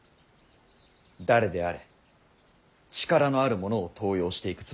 誰であれ力のある者を登用していくつもりだ。